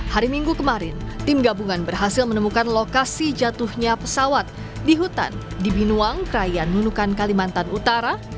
hari minggu kemarin tim gabungan berhasil menemukan lokasi jatuhnya pesawat di hutan di binuang krayan nunukan kalimantan utara